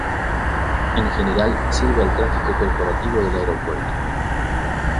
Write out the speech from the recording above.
En general, sirve al tráfico corporativo del aeropuerto.